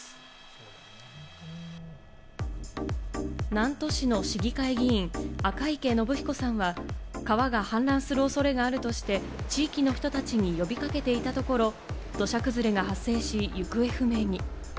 南砺市の市議会議員・赤池伸彦さんは川が氾濫する恐れがあるとして、地域の人たちに呼び掛けていたところ、土砂崩れが発生し、行方不明に。